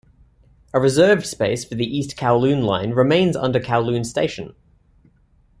A reserved space for the East Kowloon Line remains under Kowloon Station.